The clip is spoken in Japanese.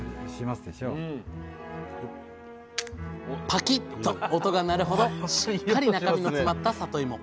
パキッと音が鳴るほどしっかり中身の詰まったさといも。